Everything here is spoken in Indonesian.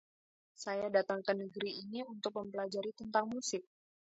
Saya datang ke negeri ini untuk mempelajari tentang musik.